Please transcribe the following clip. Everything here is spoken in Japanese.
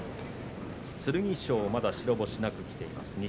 剣翔まだ白星なくきています。